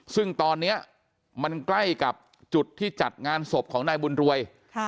ซึ่งตอนนี้มันใกล้กับจุดที่จัดงานศพของนายบุญรวย